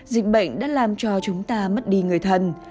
dịch bệnh đã làm cho chúng ta mất đi người thân